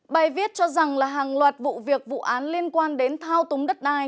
bài viết cho rằng là hàng loạt vụ việc vụ án liên quan đến thao túng đất đai